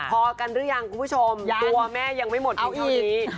พอกันหรือยังคุณผู้ชมตัวแม่ยังไม่หมดอายุนี้